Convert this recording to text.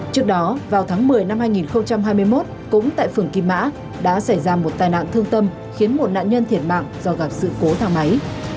trước đó vào tháng một mươi năm hai nghìn hai mươi một cũng tại phường kim mã đã xảy ra một tai nạn thương tâm khiến một nạn nhân thiệt mạng do gặp sự cố thang máy